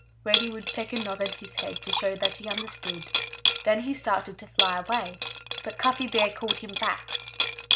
Reddy Woodpecker nodded his head to show that he understood. Then he started to fly away. But Cuffy Bear called him back.